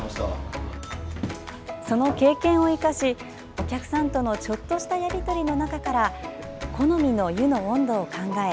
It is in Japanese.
その経験を生かしお客さんとのちょっとしたやりとりの中から好みの湯の温度を考え